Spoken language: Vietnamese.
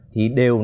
thì đều là